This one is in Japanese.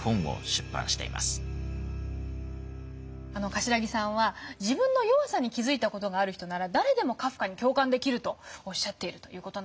頭木さんは「自分の弱さに気付いた事がある人なら誰でもカフカに共感できる」とおっしゃっている。